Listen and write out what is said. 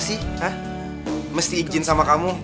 yang harus disederhanakku